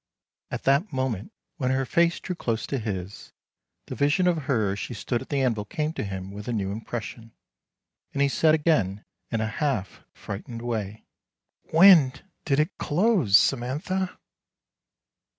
At that moment, when her face drew close to his, the vision of her as she stood at the anvil came to him THE FORGE IN THE VALLEY 355 with a new impression, and he said again in a half frightened way, " When did it close, Samantha?